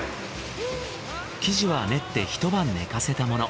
生地は練ってひと晩寝かせたもの。